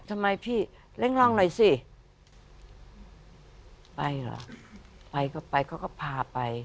ทำไมพี่เร่งลองหน่อยสิไปเหรอไปก็ไปเขาก็พาไป